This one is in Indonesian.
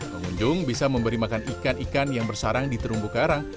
pengunjung bisa memberi makan ikan ikan yang bersarang di terumbu karang